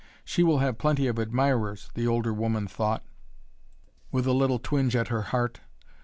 "She will have plenty of admirers," the older woman thought, with a little twinge at her heart.